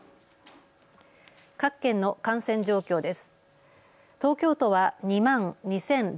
各県の感染状況です。